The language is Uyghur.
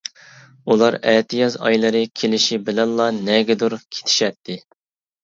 ئۇلار ئەتىياز ئايلىرى كېلىشى بىلەنلا نەگىدۇر كېتىشەتتى.